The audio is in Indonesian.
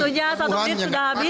waktunya satu menit sudah habis bapak